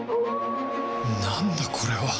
なんだこれは